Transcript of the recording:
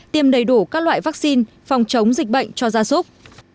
tiêm đầy đủ các loại vaccine phòng chống dịch bệnh cho gia súc